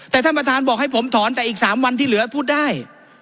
แต่ท่านประธานบอกให้ผมถอนแต่อีก๓วันที่เหลือพูดได้